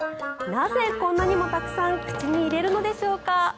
なぜ、こんなにもたくさん口に入れるのでしょうか。